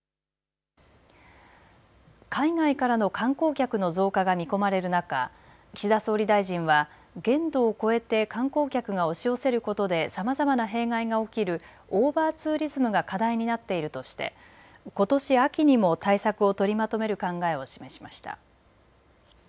海外からの観光客の増加が見込まれる中、岸田総理大臣は限度を超えて観光客が押し寄せることでさまざまな弊害が起きるオーバーツーリズムが課題になっているとして、ことし秋にも対策を取りまとめる考えを示しました。